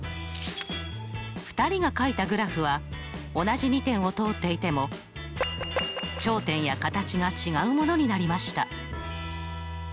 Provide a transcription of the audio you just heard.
２人がかいたグラフは同じ２点を通っていても頂点や形が違うものになりました。